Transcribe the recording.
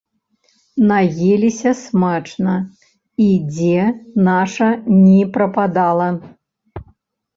Наеліся смачна і дзе наша ні прападала!